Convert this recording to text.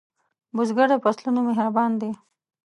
بزګر د فصلونو مهربان دی